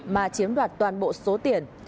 mà chiếm đoạt toàn bộ số tiền